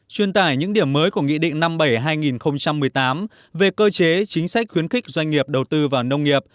truyền tải những điểm mới của nghị định năm bảy hai nghìn một mươi tám về cơ chế chính sách khuyến khích doanh nghiệp đầu tư vào nông nghiệp